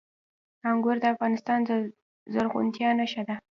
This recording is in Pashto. انګور د افغانستان د زرغونتیا نښه ده.